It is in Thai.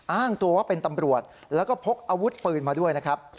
อ้างตัวว่าเป็นตำรวจแล้วก็พกอาวุธปืนมาด้วยนะครับ